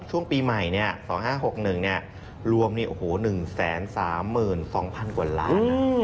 ช่วงปีใหม่เนี่ย๒๕๖๑เนี่ยรวมเนี่ยโอ้โห๑๓๒๐๐๐กว่าล้าน